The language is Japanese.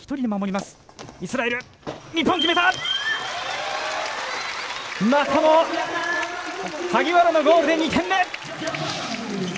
またも萩原のゴールで２点目！